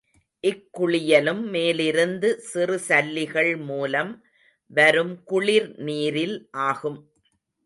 இக்குளியலும் மேலிருந்து சிறு சல்லிகள் மூலம் வரும் குளிர் நீரில் ஆகும்.